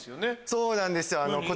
そうなんですよ。